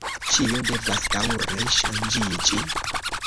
Ĉio devas daŭre ŝanĝiĝi.